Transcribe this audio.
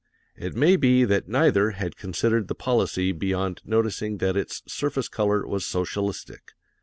It may be that neither had considered the policy beyond noticing that its surface color was socialistic.